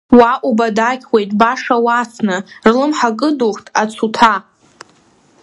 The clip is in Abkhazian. Уа убадақьуеит баша уасны, рлымҳа кыдухт ацуҭа…